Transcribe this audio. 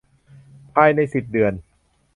ภายใน สิบ เดือน